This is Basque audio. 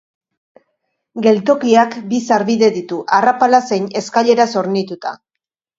Geltokiak bi sarbide ditu, arrapala zein eskaileraz hornituta.